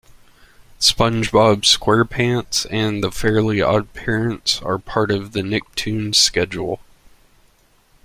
"SpongeBob SquarePants" and "The Fairly OddParents" are part of the Nicktoons schedule.